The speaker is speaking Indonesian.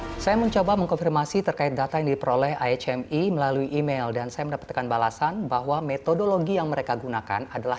dan saya mencoba mengkonfirmasi terkait data yang diperoleh ihme melalui email dan saya mendapatkan balasan bahwa metodologi yang mereka gunakan adalah